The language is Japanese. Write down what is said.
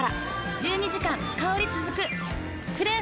１２時間香り続く。